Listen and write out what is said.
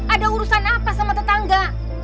ada urusan apa sama tetangga